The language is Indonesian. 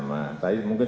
kurang tahu itukanu